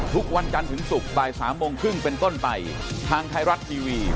สวัสดีครับ